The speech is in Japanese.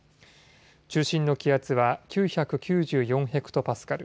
中心の気圧は９９４ヘクトパスカル。